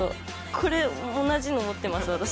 これ同じの持ってます私。